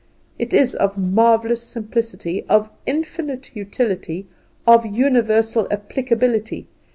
It is of marvellous simplicity, of infinite utility, of universal applicability.